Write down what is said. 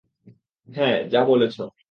হ্যাঁ, যা বলেছ!